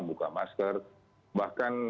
buka masker bahkan